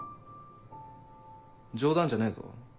冗談じゃねえぞ。